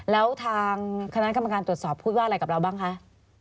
แล้วทางคณะกรรมการตรวจสอบพูดว่าอะไรกับเราบ้างคะ